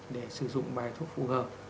để sử dụng bài thuốc phù hợp